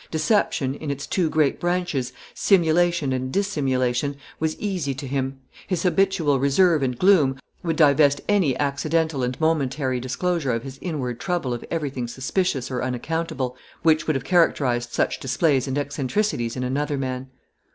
Deception, in its two great branches, simulation and dissimulation, was easy to him. His habitual reserve and gloom would divest any accidental and momentary disclosure of his inward trouble of everything suspicious or unaccountable, which would have characterized such displays and eccentricities in another man.